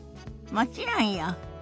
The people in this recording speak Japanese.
もちろんよ。